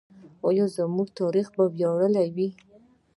آیا زموږ تاریخ به ویاړلی وي؟